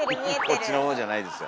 「こっちの方」じゃないですよ。